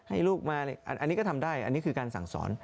อันนี้ก็ทำได้อันนี้คือการสั่งสอน